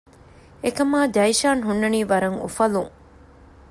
އެކަމާ ޖައިޝާން ހުންނަނީ ވަރަށް އުފަލުން